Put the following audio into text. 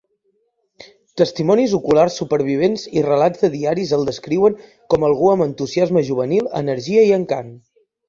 Testimonis oculars supervivents i relats de diaris el descriuen com algú amb entusiasme juvenil, energia i encant.